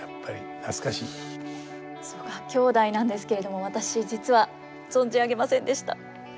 曽我兄弟なんですけれども私実は存じ上げませんでした。